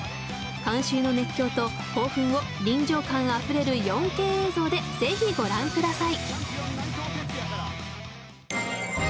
観衆の熱狂と興奮を臨場感あふれる４Ｋ映像で是非ご覧ください。